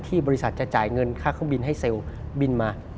บริษัทจะจ่ายเงินค่าเครื่องบินให้เซลล์บินมา